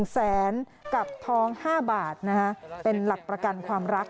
แสนกับท้อง๕บาทเป็นหลักประกันความรัก